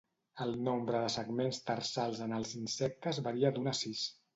El nombre de segments tarsals en els insectes varia d'un a sis.